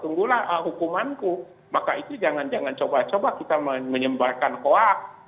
tunggulah hukumanku maka itu jangan jangan coba coba kita menyembarkan hoak